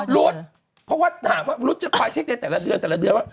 รุดเพราะว่ารุดจะคอยเช็กจาวเดือนแต่ละเดือนแต่ละเดือนนะ